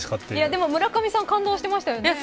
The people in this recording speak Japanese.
でも村上さん感動していましたよね。